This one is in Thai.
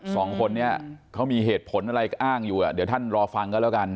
สองคนนี้เขามีเหตุผลอะไรอ้างอยู่อ่ะเดี๋ยวท่านรอฟังกันแล้วกัน